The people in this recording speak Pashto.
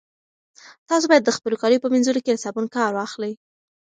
تاسي باید د خپلو کاليو په مینځلو کې له صابون کار واخلئ.